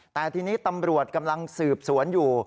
แต่ทีนี้ตำรวจกำลังสืบสวนอยู่